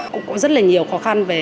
cũng có rất là nhiều khó khăn